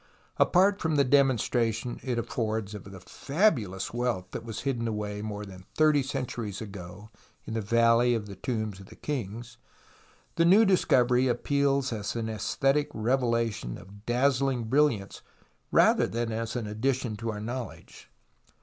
Apart from the demonstration it affords of the fabulous wealth that was hidden away more than thirty centuries ago in the \^alley of the Tombs of the Kings, the new discovery appeals as an {esthetic revelation of dazzling brilliance rather than as an addition to our knowledfife.